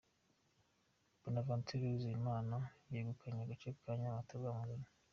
Bonaventure Uwizeyimana yegukanye agace ka Nyamata- Rwamagana.